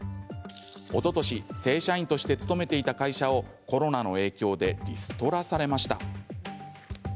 おととし正社員として勤めていた会社をコロナの影響でリストラされました。